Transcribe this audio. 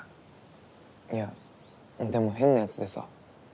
いやでも変なやつでさ。